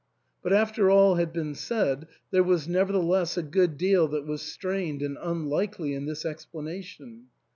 But after all had been said, there was nevertheless a good deal that was strained and unlikely in this explanation.